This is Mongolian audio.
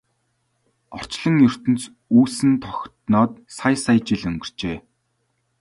Орчлон ертөнц үүсэн тогтоод сая сая жил өнгөрчээ.